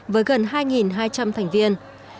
với gần hai hai trăm linh thành viên